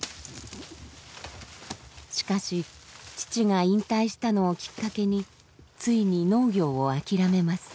しかし父が引退したのをきっかけについに農業を諦めます。